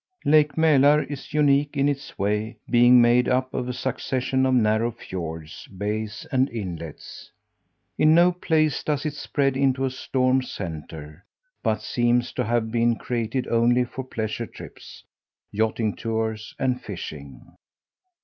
Lake Mälar is unique in its way, being made up of a succession of narrow fiords, bays, and inlets. In no place does it spread into a storm centre, but seems to have been created only for pleasure trips, yachting tours, and fishing.